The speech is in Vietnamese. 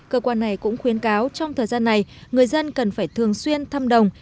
cơ quan này cũng khuyến cáo trong thời gian này người dân cần phải thường xuyên thăm đồng